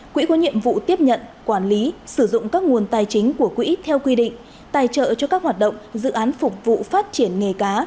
quỹ có nhiệm vụ tiếp nhận quản lý sử dụng các nguồn tài chính của quỹ theo quy định tài trợ cho các hoạt động dự án phục vụ phát triển nghề cá